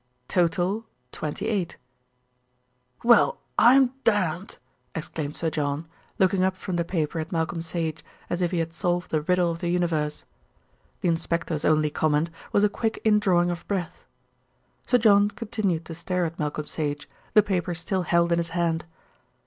. 2 Total 28 ...... 28 "Well, I'm damned!" exclaimed Sir John, looking up from the paper at Malcolm Sage, as if he had solved the riddle of the universe. The inspector's only comment was a quick indrawing of breath. Sir John continued to stare at Malcolm Sage, the paper still held in his hand.